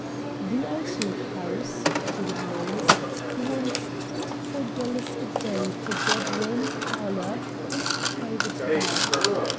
"The Outlook House," he would announce, "wants twenty four dollars a day for bedroom, parlor, and private bath.